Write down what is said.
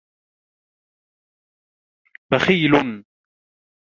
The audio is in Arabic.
بخيل